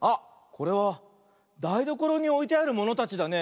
これはだいどころにおいてあるものたちだね。